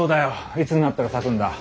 いつになったら咲くんだ？